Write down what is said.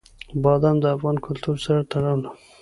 بادام د افغان کلتور سره تړاو لري.